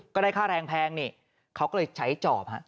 ก็ได้ค่าแรงแพงนี่เขาก็เลยใช้จอบฮะ